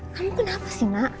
kamu kenapa sih nak